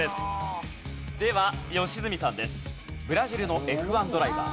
では良純さんです。